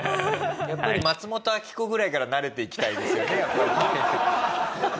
やっぱり松本明子ぐらいから慣れていきたいですよね？